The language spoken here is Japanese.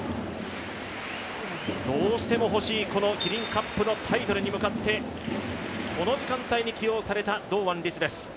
どうしても欲しいキリンカップのタイトルに向かって、この時間帯に起用された堂安律です。